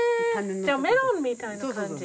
じゃあメロンみたいな感じ？